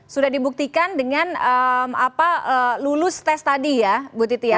sudah dibuktikan dengan lulus tes tadi ya bu titi ya